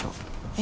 え？